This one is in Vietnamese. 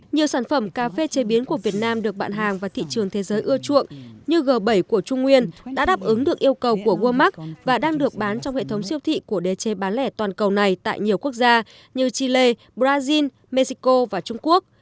nhiều sản phẩm cà phê chế biến của việt nam được bạn hàng và thị trường thế giới ưa chuộng như g bảy của trung nguyên đã đáp ứng được yêu cầu của walmark và đang được bán trong hệ thống siêu thị của đế chế bán lẻ toàn cầu này tại nhiều quốc gia như chile brazil mexico và trung quốc